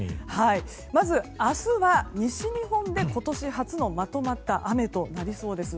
まず明日は、西日本で今年初のまとまった雨となりそうです。